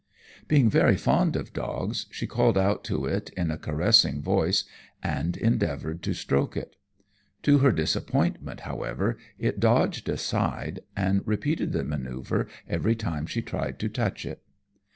Being very fond of dogs, she called out to it in a caressing voice and endeavoured to stroke it. To her disappointment, however, it dodged aside, and repeated the manoeuvre every time she tried to touch it.